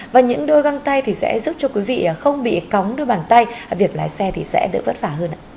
và những đôi găng tay thì sẽ giúp cho quý vị không bị cóng đôi bàn tay việc lái xe thì sẽ đỡ vất vả hơn ạ